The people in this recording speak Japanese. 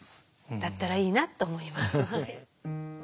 だったらいいなと思います。